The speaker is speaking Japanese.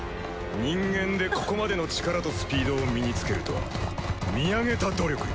人間でここまでの力とスピードを身につけるとは見上げた努力よ。